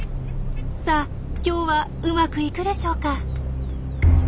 さあ今日はうまくいくでしょうか？